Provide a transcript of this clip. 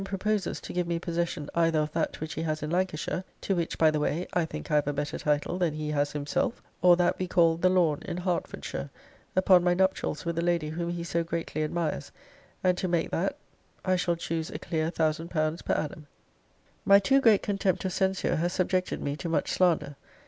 proposes to give me possession either of that which he has in Lancashire, [to which, by the way, I think I have a better title than he has himself,] or that we call The Lawn, in Hertfordshire, upon my nuptials with a lady whom he so greatly admires; and to make that I shall choose a clear 1000l. per annum. 'My too great contempt of censure has subjected me to much slander.